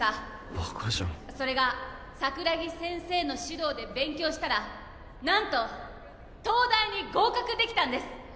バカじゃんそれが桜木先生の指導で勉強したら何と東大に合格できたんです